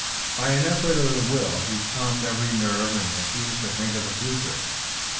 By an effort of the will he calmed every nerve and refused to think of the future.